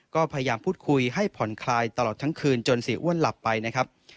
ก็พยายามพูดคุยให้ผ่อนคลายตลอดทั้งคืนจนเสียอ้วนหลับไปนะครับ